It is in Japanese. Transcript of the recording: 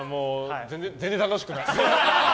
全然楽しくない。